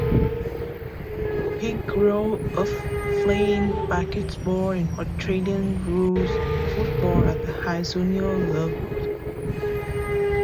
He grew up playing basketball and Australian rules football at high junior levels.